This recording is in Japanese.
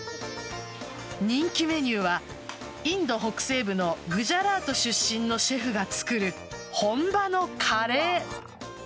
人気メニューはインド北西部のグジャラート出身のシェフが作る本場のカレー。